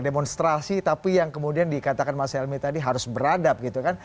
demonstrasi tapi yang kemudian dikatakan mas helmi tadi harus beradab gitu kan